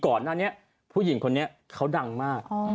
ก่อนหน้านี้ผู้หญิงคนนี้เขาดังมาก